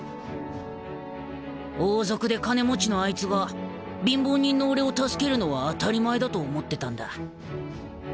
［王族で金持ちのあいつは貧乏人の俺を助けるのは当たり前だと思ってたんだ］